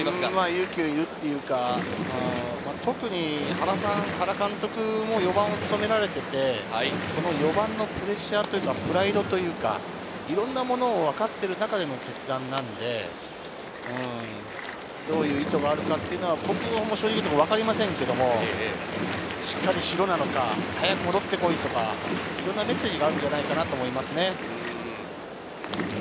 勇気がいるっていうか、特に原監督も４番を務められていて、４番のプレッシャーというか、プライドというか、いろんなものを分かってる中での決断なので、どういう意図があるかっていうのは僕は正直言ってわかりませんけれど、しっかりしろなのか、早く戻ってこいとか、いろんなメッセージがあるんじゃないかなと思います。